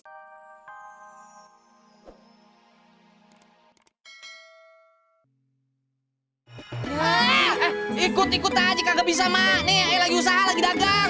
wah ikut ikutan aja kagak bisa mbak nih lagi usaha lagi dagang